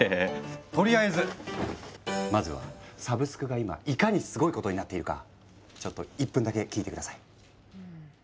とりあえずまずはサブスクが今いかにスゴいことになっているかちょっと１分だけ聞いて下さい。